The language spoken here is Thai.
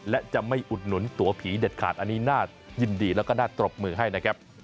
และจะไม่อุดหนุนตัวผีเด็ดขาดอันนี้น่ายินดีแล้วก็น่าตรบมือให้นะครับ